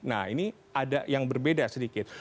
nah ini ada yang berbeda sedikit